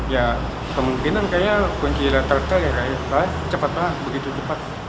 ya kemungkinan kayaknya kunci latar t cepat lah begitu cepat